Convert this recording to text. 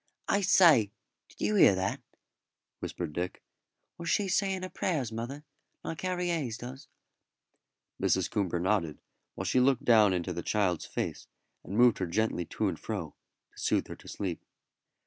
"I say, did you hear that?" whispered Dick. "Was she saying her prayers, mother, like Harry Hayes does?" Mrs. Coomber nodded, while she looked down into the child's face and moved her gently to and fro to soothe her to sleep.